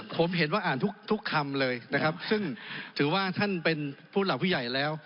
ผมเห็นว่าอ่านทุกคำเลยนะครับซึ่งถือว่าท่านเป็นผู้หลักผู้ใหญ่แล้ว